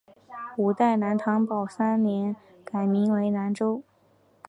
五代南唐保大三年改名南州。